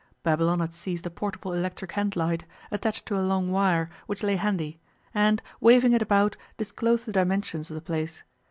Babylon had seized a portable electric handlight, attached to a long wire, which lay handy, and, waving it about, disclosed the dimensions of the place.